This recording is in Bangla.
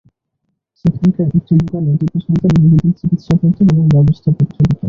সেখানকার একটি দোকানে টিপু সুলতান রোগীদের চিকিৎসা করতেন এবং ব্যবস্থাপত্র দিতেন।